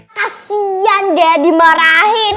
kasian dia dimarahin